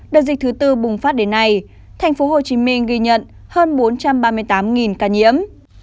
đợt dịch thứ tư bùng phát đến nay tp hcm ghi nhận hơn bốn trăm ba mươi tám ca nhiễm